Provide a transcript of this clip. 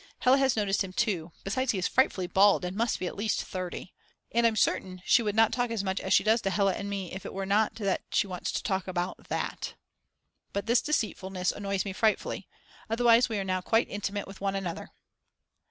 Hella has noticed him too, besides he is frightfully bald and must be at least 30. And I'm certain she would not talk as much as she does to Hella and me if it were not that she wants to talk about that. But this deceitfulness annoys me frightfully. Otherwise we are now quite intimate with one another.